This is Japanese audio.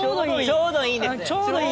ちょうどいいんです。